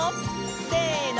せの！